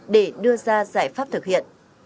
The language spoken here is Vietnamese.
để đưa ra giải pháp thực hiện